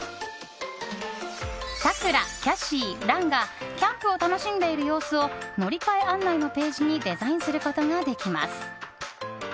さくら、キャシー、蘭がキャンプを楽しんでいる様子を乗り換え案内のページにデザインすることができます。